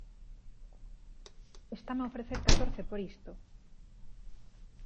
Estame a ofrecer catorce por isto!